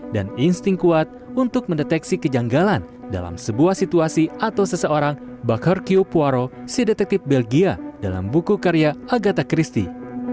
dan insting kuat untuk mendeteksi kejanggalan dalam sebuah situasi atau seseorang bakher kiu puaro si detektif belgia dalam buku karya agatha christie